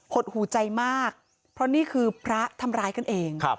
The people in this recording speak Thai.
ดหูใจมากเพราะนี่คือพระทำร้ายกันเอง